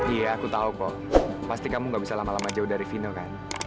iya aku tahu po pasti kamu nggak bisa lama lama jauh dari vino kan